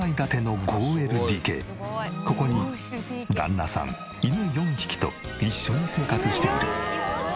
ここに旦那さん犬４匹と一緒に生活している。